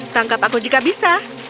tangkap aku jika bisa